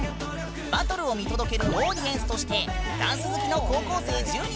バトルを見届けるオーディエンスとしてダンス好きの高校生１０人が来てくれたよ！